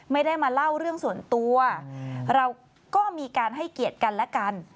ไม่ได้มาเล่าเรื่องส่วนตัวเราก็มีการให้เกียรติกันและกัน